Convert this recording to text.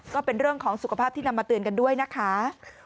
ก็เป็นเรื่องของสุขภาพที่นำมาเตือนกันด้วยนะคะ